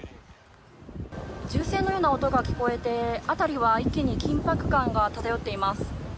銃声のような音が聞こえて、辺りは一気に緊迫感が漂っています。